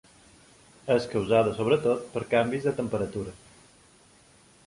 És causada, sobretot, per canvis de temperatura.